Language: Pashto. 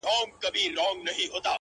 هغه قبرو ته ورځم”